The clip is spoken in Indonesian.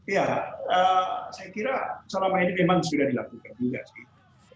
ya saya kira selama ini memang sudah dilakukan juga sih